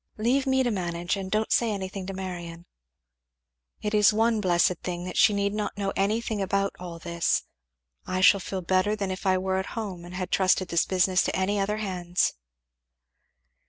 Leave me to manage, and don't say anything to Marion, it is one blessed thing that she need not know anything about all this. I shall feel better than if I were at home and had trusted this business to any other hands."